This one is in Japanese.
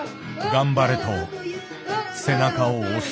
頑張れと背中を押す。